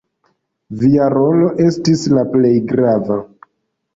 Via rolo estis la plej grava.